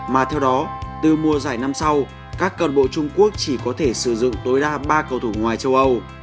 mà theo đó từ mùa giải năm sau các cơn bộ trung quốc chỉ có thể sử dụng tối đa ba cầu thủ ngoài châu âu